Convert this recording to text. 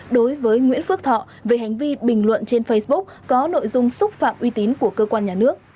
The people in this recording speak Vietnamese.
đối với nguyễn phước thọ về hành vi bình luận trên facebook có nội dung xúc phạm uy tín của cơ quan nhà nước